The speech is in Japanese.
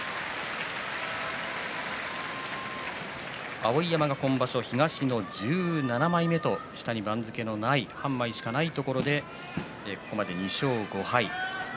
碧山が今場所、東の１７枚目と下に半枚しかないところでここまで２勝５敗。